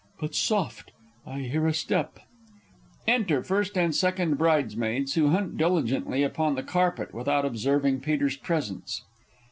But soft, I hear a step. [Enter First and Second Bridesmaids, who hunt diligently upon the carpet without observing Peter's _presence.